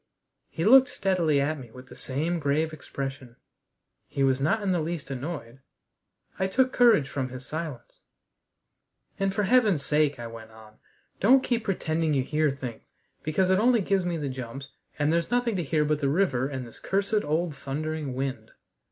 He looked steadily at me with the same grave expression. He was not in the least annoyed. I took courage from his silence. "And for heaven's sake," I went on, "don't keep pretending you hear things, because it only gives me the jumps, and there's nothing to hear but the river and this cursed old thundering wind."